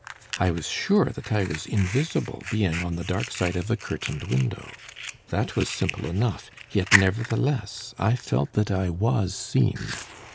I was sure that I was invisible, being on the dark side of a curtained window. That was simple enough, yet nevertheless I felt that I was seen.